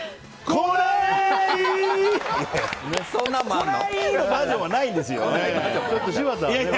来ない！来ないのバージョンはないんですよ。